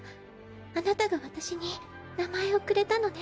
あなたが私に名前をくれたのね。